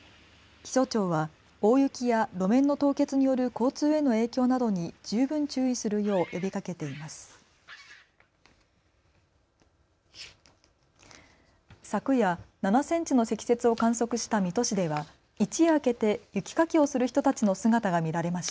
気象庁は大雪や路面の凍結による交通への影響などに十分注意するよう呼びかけています。